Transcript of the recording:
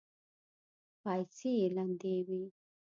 پايڅې يې لندې وې.